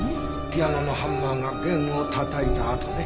ピアノのハンマーが弦をたたいた跡ね。